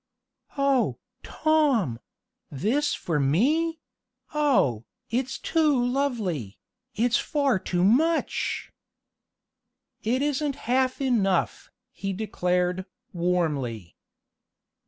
"Oh, Tom! This for me! Oh, it's too lovely it's far too much!" "It isn't half enough!" he declared, warmly.